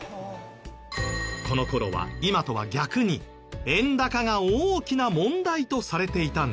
この頃は今とは逆に円高が大きな問題とされていたんです。